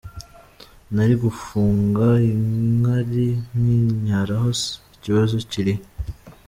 Nari gufunga inkari nkinyaraho se ? Ikibazo kirihe ?”.